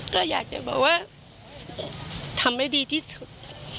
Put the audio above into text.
ก็อยากจะบอกว่าทำให้ดีที่สุด